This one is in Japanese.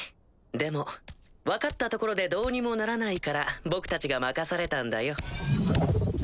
でも分かったところでどうにもならないから僕たちが任されたんだよ。